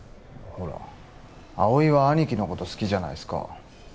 ほら葵は兄貴の事好きじゃないですか。